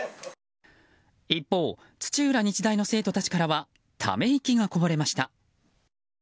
一方、土浦日大の生徒たちからはため息がこぼれました。